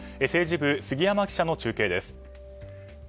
政治部、杉山記者の中継です。